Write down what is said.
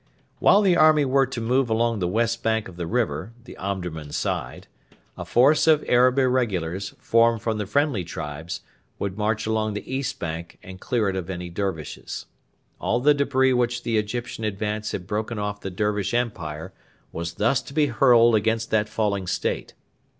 While the army were to move along the west bank of the river the Omdurman side a force of Arab irregulars, formed from the friendly tribes, would march along the east bank and clear it of any Dervishes. All the debris which the Egyptian advance had broken off the Dervish Empire was thus to be hurled against that falling State.